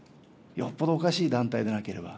よっぽどおかしい団体でなければ。